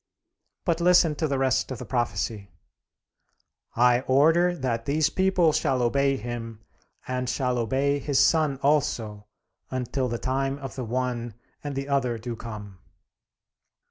But listen to the rest of the prophecy: "I order that these people shall obey him, and shall obey his son also, until the time of the one and the other do come."